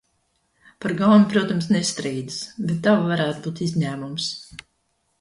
Par gaumi, protams, nestrīdas, bet tava varētu būt izņēmums.